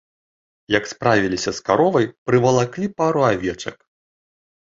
Як справіліся з каровай, прывалаклі пару авечак.